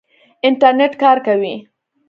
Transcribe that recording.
انټرنېټ کار کوي؟